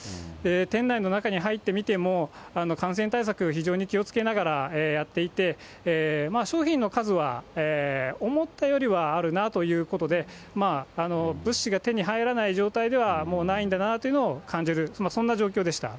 店内の中に入ってみても、感染対策、非常に気をつけながらやっていて、商品の数は思ったよりはあるなということで、物資が手に入らない状態ではもうないんだなというのを感じる、そんな状況でした。